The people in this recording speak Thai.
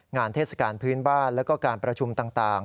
เทศกาลพื้นบ้านแล้วก็การประชุมต่าง